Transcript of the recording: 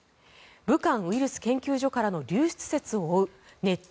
武漢ウイルス研究所からの流出説を追うネット